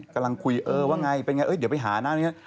กำลังคุยเออวะไงเป็นไงเดี๋ยวไปหานั้น